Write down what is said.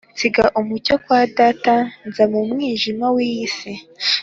Nsiga umucyo kwa data nza mu mwijima w’iy’isi